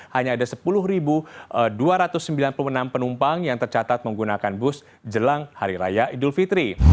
hanya ada sepuluh dua ratus sembilan puluh enam penumpang yang tercatat menggunakan bus jelang hari raya idul fitri